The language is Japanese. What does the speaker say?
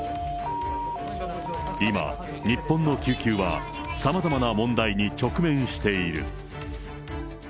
今、日本の救急はさまざまな問題に直面している。